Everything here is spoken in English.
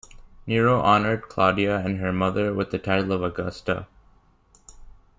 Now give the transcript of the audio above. Nero honored Claudia and her mother with the title of Augusta.